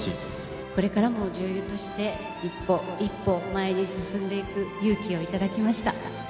これからも女優として、一歩一歩前に進んでいく勇気をいただきました。